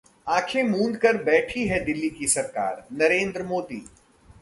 आंखें मूंदकर बैठी है दिल्ली की सरकार: नरेंद्र मोदी